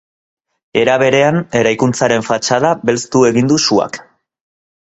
Era berean, eraikuntzaren fatxada belztu egin du suak.